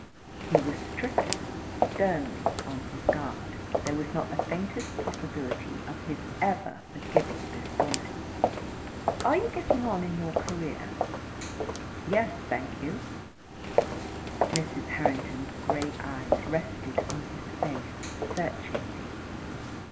He was strictly, sternly on his guard. There was not the faintest possibility of his ever forgiving this woman. "And you are getting on in your career?" "Yes, thank you." Mrs. Harrington's grey eyes rested on his face searchingly.